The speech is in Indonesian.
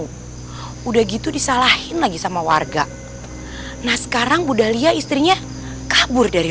umaidah gitu disalahin lagi sama warga nah sekarang budalia istrinya kabur dari